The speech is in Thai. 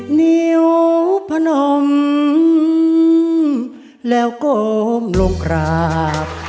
นิ้วพนมแล้วก้มลงกราบ